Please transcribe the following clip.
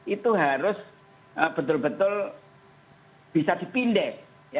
itu harus betul betul bisa dipindah